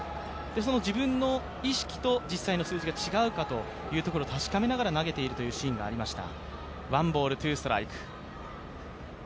その自分の意識と実際の数字が違うかというところを確かめながら投げているというシーンがありました。